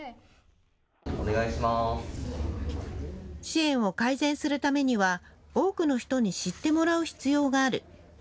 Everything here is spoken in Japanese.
支援を改善するためには多くの人に知ってもらう必要がある。